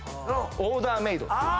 オーダーメイド。